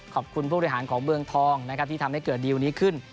ผู้บริหารของเมืองทองนะครับที่ทำให้เกิดดีลนี้ขึ้น